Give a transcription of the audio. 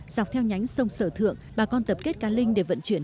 dọc theo nhánh sông sở thượng bà con tập kết cá linh để vận chuyển